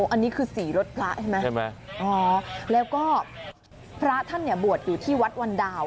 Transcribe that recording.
อันนี้คือสีรถพระใช่ไหมใช่ไหมอ๋อแล้วก็พระท่านเนี่ยบวชอยู่ที่วัดวันดาว